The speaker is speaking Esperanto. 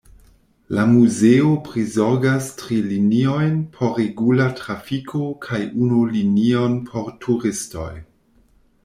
La muzeo prizorgas tri liniojn por regula trafiko kaj unu linion por turistoj.